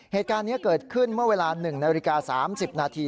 เหตุการณ์นี้เกิดขึ้นเมื่อเวลา๑นาฬิกา๓๐นาที